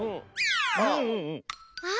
あっ。